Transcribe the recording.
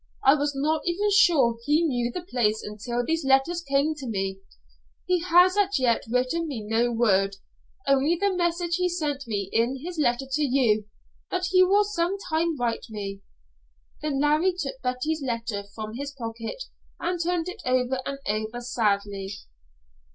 I was not even sure he knew the place until these letters came to me. He has as yet written me no word, only the message he sent me in his letter to you that he will some time write me." Then Larry took Betty's letter from his pocket and turned it over and over, sadly.